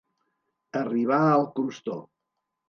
Arribar al crostó.